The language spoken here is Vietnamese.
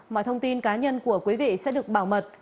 mọi thông tin cá nhân của quý vị sẽ được bảo mật